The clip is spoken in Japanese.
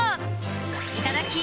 いただき！